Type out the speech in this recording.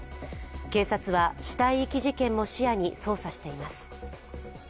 警察は死体遺棄事件も視野に捜査しています。